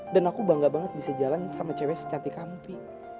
dan aku bangga banget bisa jalan sama cewek secantik kamu pi